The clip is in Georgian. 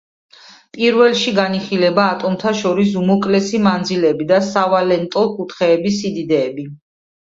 პირველში განიხილება ატომთა შორის უმოკლესი მანძილები და სავალენტო კუთხეების სიდიდეები.